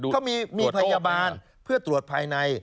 ก็มีพยาบาลเพื่อตรวจภายใน